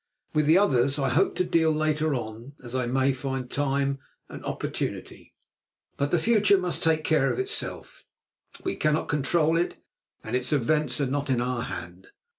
With the others I hope to deal later on, as I may find time and opportunity. But the future must take care of itself. We cannot control it, and its events are not in our hand.